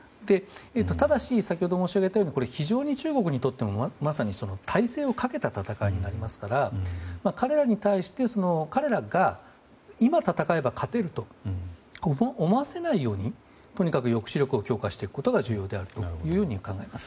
ただし、先ほど申し上げたように非常に中国にとってもまさに、その体制をかけた戦いになりますから彼らに対して今戦えば勝てると思わせないようにとにかく抑止力を強化していくことが重要であると考えます。